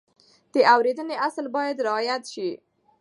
د اورېدنې اصل باید رعایت شي.